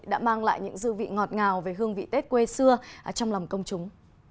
đã mang lại những dư vị ngọt ngào về hương vị tết quê xưa trong lòng công chúng